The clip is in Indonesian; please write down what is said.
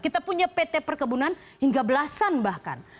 kita punya pt perkebunan hingga belasan bahkan